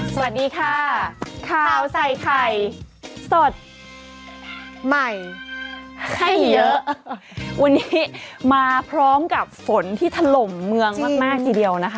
สวัสดีค่ะข้าวใส่ไข่สดใหม่ให้เยอะวันนี้มาพร้อมกับฝนที่ถล่มเมืองมากมากทีเดียวนะคะ